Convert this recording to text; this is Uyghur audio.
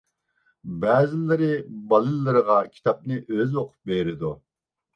بەزىلىرى بالىلىرىغا كىتابنى ئۆزى ئوقۇپ بېرىدۇ.